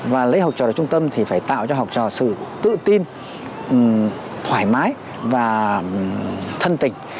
và lấy học trò ở trung tâm thì phải tạo cho học trò sự tự tin thoải mái và thân tình